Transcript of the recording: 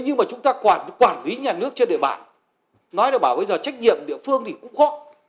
nhưng mà chúng ta quản lý nhà nước trên địa bàn nói là bảo bây giờ trách nhiệm của địa phương thì cũng khó